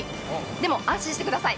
でも安心してください。